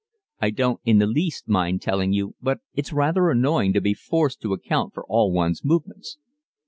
"I don't in the least mind telling you, but it's rather annoying to be forced to account for all one's movements."